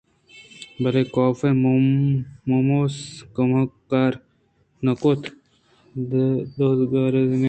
بلئے کاف ءَمومس کمار نہ کُت ءُ دروازگ ءِنیمگ ءَ رہادگ بوت